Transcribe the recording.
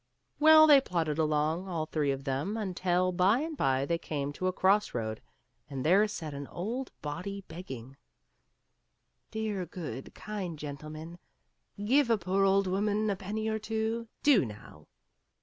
Well, they plodded along, all three of them, until by and by they came to a cross road, and there sat an old body beggfing; "Dear, good, kind gentlemen, give a poor old woman a penny or two. Do now."